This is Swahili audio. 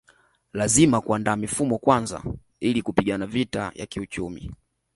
Lazima kuandaa mifumo kwanza ili kupigana vita ya kiuchumi